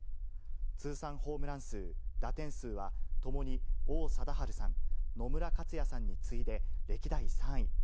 通算ホームラン数、打点数はともに王貞治さん、野村克也さんに次いで、歴代３位。